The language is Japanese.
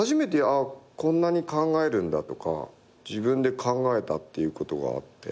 こんなに考えるんだとか自分で考えたっていうことがあって。